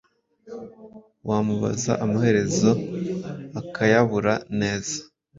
wamubaza amaherezo akayabura neza